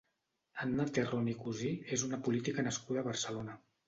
Anna Terrón i Cusí és una política nascuda a Barcelona.